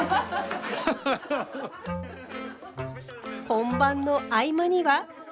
本番の合間には。